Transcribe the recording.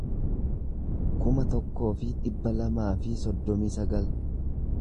kuma tokkoo fi dhibba lamaa fi soddomii sagal